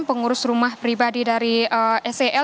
pengurus rumah pribadi dari sel